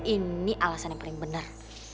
ini alasan yang paling benar